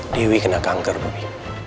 dewi kena kanker bobby